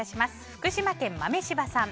福島県の方。